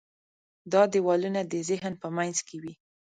دا دیوالونه د ذهن په منځ کې وي.